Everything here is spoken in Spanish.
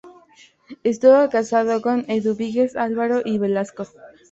Estuvo casado con Eduviges Alvarado y Velasco.